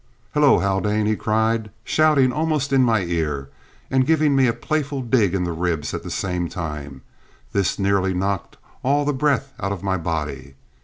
"Hullo, Haldane!" he cried, shouting almost in my ear, and giving me a playful dig in the ribs at the same time; this nearly knocked all the breath out of my body.